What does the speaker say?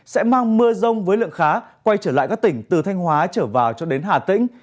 sẽ mang mưa rông với lượng khá quay trở lại các tỉnh từ thanh hóa trở vào cho đến hà tĩnh